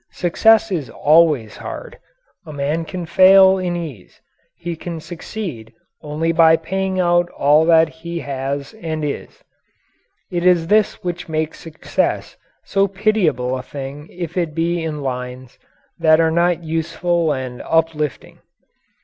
Success is always hard. A man can fail in ease; he can succeed only by paying out all that he has and is. It is this which makes success so pitiable a thing if it be in lines that are not useful and uplifting.